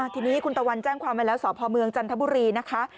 ทีนี้คุณตะวันแจ้งความไว้แล้วสพเมืองจันทบุรีนะคะ